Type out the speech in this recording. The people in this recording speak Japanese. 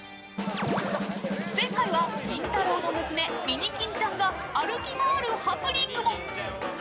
前回は、キンタロー。の娘ミニキンちゃんが歩き回るハプニングも。